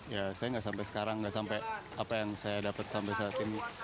ya saya nggak sampai sekarang nggak sampai apa yang saya dapat sampai saat ini